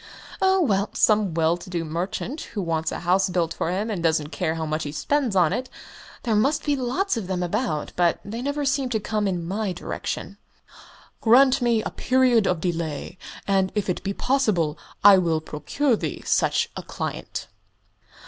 "Oh, well, some well to do merchant who wants a house built for him and doesn't care how much he spends on it. There must be lots of them about but they never seem to come in my direction." "Grant me a period of delay, and, if it be possible, I will procure thee such a client."